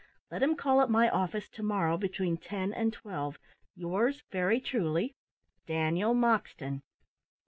Let him call at my office to morrow between ten and twelve. Yours very truly, Daniel Moxton.'"